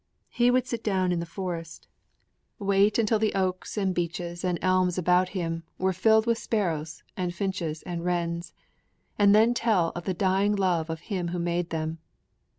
He would sit down in the forest: wait until the oaks and beeches and elms about him were filled with sparrows and finches and wrens; and then tell of the dying love of Him who made them.